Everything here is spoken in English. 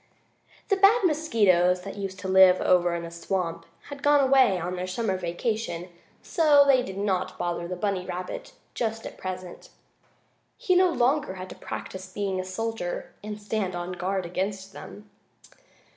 The bad mosquitoes that used to live over in the swamp had gone away on their summer vacation, and so they did not bother the bunny rabbit just at present. He no longer had to practice being a soldier and stand on guard against them.